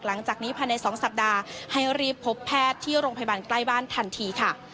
หลังจากนี้ภายใน๒สัปดาห์ให้รีบพบแพทย์ที่โรงพยาบาลใกล้บ้านทันทีค่ะ